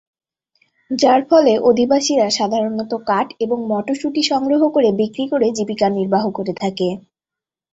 যার ফলে অধিবাসীরা সাধারণত কাঠ এবং মটরশুটি সংগ্রহ করে বিক্রি করে জীবিকা নির্বাহ করে থাকে।